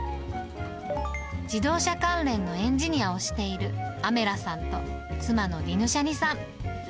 自動車関連のエンジニアをしているアメラさんと妻のディヌシャニさん。